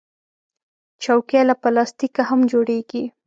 چوکۍ له پلاستیکه هم جوړیږي.